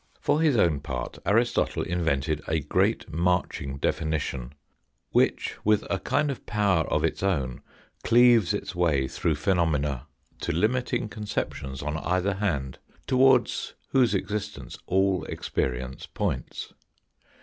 For his own part Aristotle invented a great marching definition which, with a kind of power of its own, cleaves its way through phenomena to limiting conceptions on THE FIRST CHAPTER IN THE HISTORY OF FOUR SPACE 37 either hand, towards whose existence all experience points.